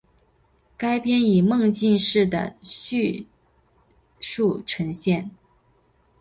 该片以梦境式的叙述呈现。